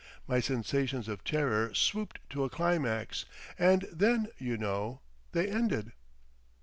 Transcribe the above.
My sensations of terror swooped to a climax. And then, you know, they ended!